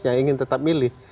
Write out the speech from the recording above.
yang ingin tetap milih